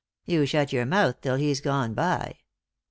You shut yonr mouth till he's gone by."